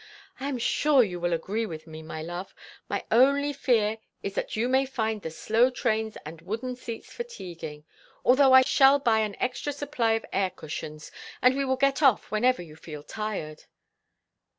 I am sure you will agree with me, my love. My only fear is that you may find the slow trains and wooden seats fatiguing—although I shall buy an extra supply of air cushions, and we will get off whenever you feel tired."